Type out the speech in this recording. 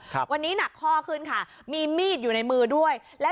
ครับวันนี้หนักข้อขึ้นค่ะมีมีดอยู่ในมือด้วยและ